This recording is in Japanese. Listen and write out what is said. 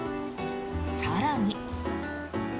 更に。